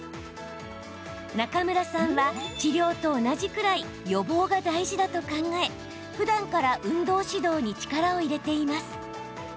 中村さんは治療と同じくらい予防が大事だと考えふだんから運動指導に力を入れています。